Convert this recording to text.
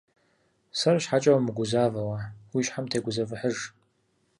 Сэр щхьэкӀэ умыгузавэ уэ, уи щхьэм тегузэвыхьыж.